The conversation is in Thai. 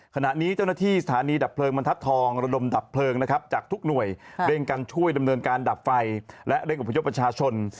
ขณะนี้เจ้าหน้าที่สถานีดับเพลิงบรรทัศนทองระดมดับเพลิงนะครับจากทุกหน่วยเร่งการช่วยดำเนินการดับไฟและเร่งอพยพประชาชน